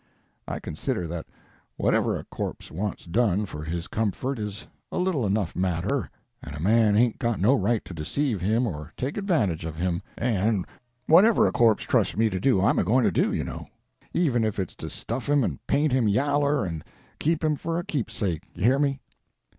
I consider that whatever a corpse wants done for his comfort is a little enough matter, and a man hain't got no right to deceive him or take advantage of him and whatever a corpse trusts me to do I'm a going to do, you know, even if it's to stuff him and paint him yaller and keep him for a keepsake you hear me!"